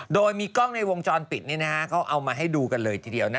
โดยมีกล้องในวงจรปิดเขาเอามาให้ดูกันเลยทีเดียว